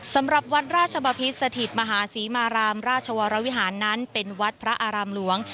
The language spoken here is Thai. สำหรับวัดราชบพิษสถิตมหาศรีมารามราชวรวิหารนั้นเป็นวัดพระอารามหลวง